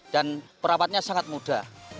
dan perawatnya sangat mudah